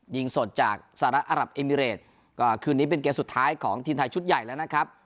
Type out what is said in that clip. ยิงสดจากสหรัฐอรับเอมิเรตก็คืนนี้เป็นเกมสุดท้ายของทีมไทยชุดใหญ่แล้วนะครับ